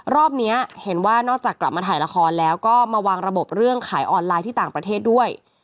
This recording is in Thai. รอบนี้เห็นว่านอกจากกลับมาถ่ายละครแล้วก็มาวางระบบเรื่องขายออนไลน์ที่ต่างประเทศด้วย